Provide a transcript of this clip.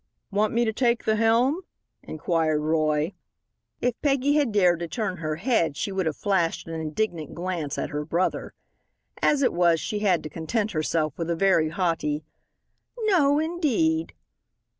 "Want me to take the helm?" inquired Roy. If Peggy had dared to turn her head she would have flashed an indignant glance at her brother. As it was she had to content herself with a very haughty, "No, indeed."